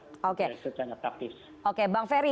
oke secara praktis oke bang ferry